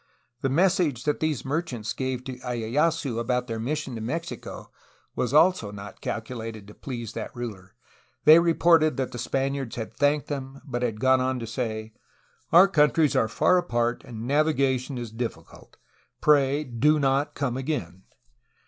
The message that these merchants gave to lyeyasu about their mission to Mexico was also not calcu lated to please that ruler. They reported that the Spaniards had thanked them, but had gone on to say : "Our countries are far apart, and navigation is difficult. Pray do not come again!"